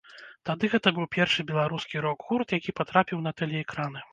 Тады гэта быў першы беларускі рок-гурт, які патрапіў на тэлеэкраны.